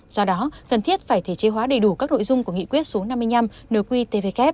do đó cần thiết phải thể chế hóa đầy đủ các nội dung của nghị quyết số năm mươi năm nở quy tvk